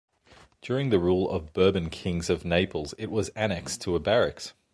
During the rule of Bourbon kings of Naples it was annexed to a barracks.